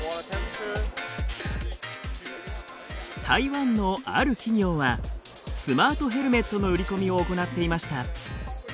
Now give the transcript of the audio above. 台湾のある企業はスマートヘルメットの売り込みを行っていました。